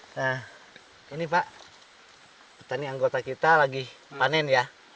nah ini pak petani anggota kita lagi panen ya